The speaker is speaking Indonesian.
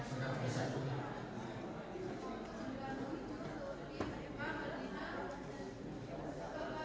selalu menerima honor